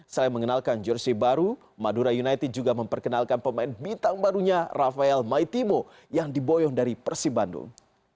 selain mengenalkan jersey baru madura united juga memperkenalkan pemain bintang barunya rafael maitimo yang diboyong dari persib bandung